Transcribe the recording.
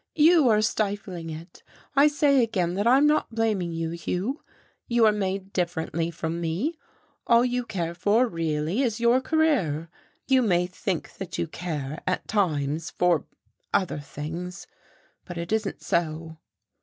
You are stifling it. I say again that I'm not blaming you, Hugh. You are made differently from me. All you care for, really, is your career. You may think that you care, at times, for other things, but it isn't so."